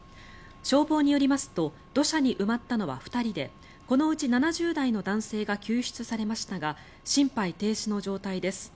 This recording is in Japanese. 消防によりますと土砂に埋まったのは２人でこのうち７０代の男性が救出されましたが心肺停止の状態です。